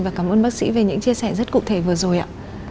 và cảm ơn bác sĩ về những chia sẻ rất cụ thể vừa rồi ạ